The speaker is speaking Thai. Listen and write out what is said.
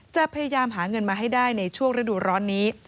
จะพยายามหาเงินมาให้ได้ในช่วงฤดูร้อนนี้